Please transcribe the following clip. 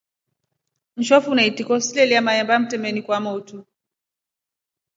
Njofu na itiko silelya mahemba mtameni kwa motu.